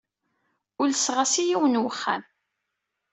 Ulseɣ-as i yiwen n wexxam.